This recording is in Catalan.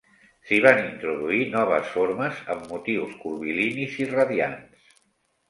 S'hi van introduir noves formes, amb motius curvilinis i radiants.